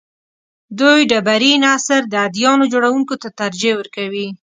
دوی ډبرین عصر د اديانو جوړونکو ته ترجیح ورکوي.